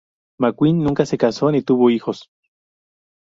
McQueen nunca se casó ni tuvo hijos.